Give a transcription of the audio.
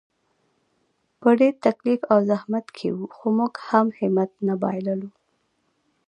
په ډېر تکلیف او زحمت کې وو، خو موږ هم همت نه بایللو.